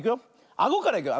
あごからいくよ。